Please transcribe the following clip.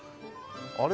あれ？